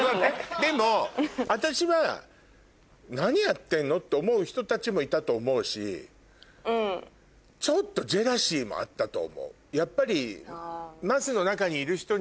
でも私は何やってんの？って思う人たちもいたと思うしちょっと。と思う。